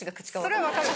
それは分かる。